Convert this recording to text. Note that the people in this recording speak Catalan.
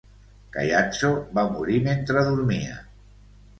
Caiazzo va morir mentre dormia.